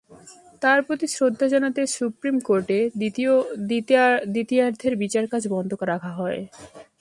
তাঁর প্রতি শ্রদ্ধা জানাতে সুপ্রিম কোর্টে দ্বিতীয়ার্ধের বিচারকাজ বন্ধ রাখা হয়।